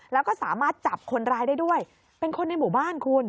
แล้วก็สามารถจับคนร้ายได้ด้วยเป็นคนในหมู่บ้านคุณ